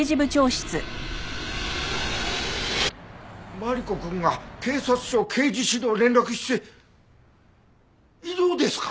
マリコくんが警察庁刑事指導連絡室へ異動ですか！？